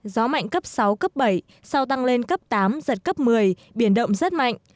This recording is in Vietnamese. gió mạnh cấp sáu cấp bảy sau tăng lên cấp tám giật cấp một mươi biển động rất mạnh